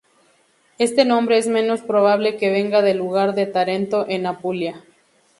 Este nombre es menos probable que venga del lugar de Tarento en Apulia.